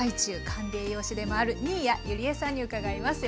管理栄養士でもある新谷友里江さんに伺います。